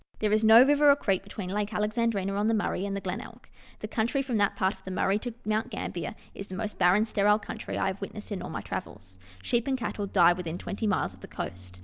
There is no river or creek between Lake Alexandrina on the Murray and the Glenelg. The country from that part of the Murray to Mount Gambler is the most barren, sterile country I have witnessed in all my travels. Sheep and cattle die within twenty miles of the coast.